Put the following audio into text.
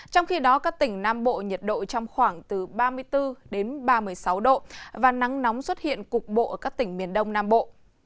trong khi đó các tỉnh nam bộ nhiệt độ trong khoảng từ ba mươi bốn đến ba mươi sáu độ và nắng nóng xuất hiện cục bộ ở các tỉnh miền đông nam bộ